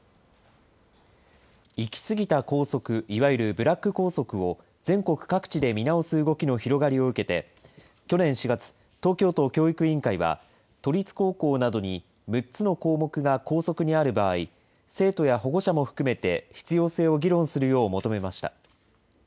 行き過ぎた校則、いわゆるブラック校則を全国各地で見直す動きの広がりを受けて、去年４月、東京都教育委員会は、都立高校などに６つの項目が校則にある場合、生徒や保護者も含めて、必要性を議論するよう求めました。